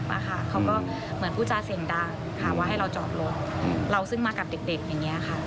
รู้จักเสียงดาวค่ะว่าให้เราจอบลงเราซึ่งมากับเด็กเด็กอย่างเงี้ยค่ะ